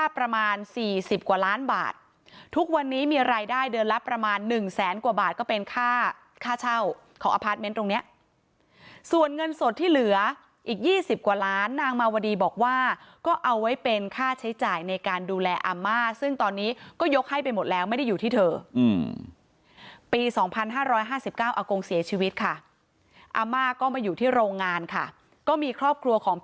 ประมาณหนึ่งแสนกว่าบาทก็เป็นค่าค่าเช่าของอพาร์ทเมนต์ตรงเนี้ยส่วนเงินสดที่เหลืออีกยี่สิบกว่าล้านนางมาวดีบอกว่าก็เอาไว้เป็นค่าใช้จ่ายในการดูแลอาม่าซึ่งตอนนี้ก็ยกให้ไปหมดแล้วไม่ได้อยู่ที่เธออืมปีสองพันห้าร้อยห้าสิบเก้าอากงเสียชีวิตค่ะอาม่าก็มาอยู่ที่โรงงานค่ะก็มีครอบครัวข